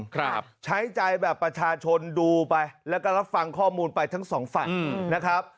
ครับใช้ใจแบบประชาชนดูไปแล้วก็รับฟังข้อมูลไปทั้งสองฝั่งนะครับ